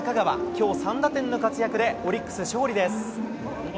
きょう３打点の活躍でオリックス、勝利です。